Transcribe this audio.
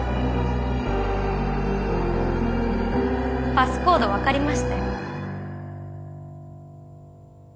パスコード分かりましたよ。